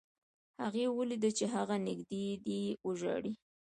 هغې ولیدل چې هغه نږدې دی وژاړي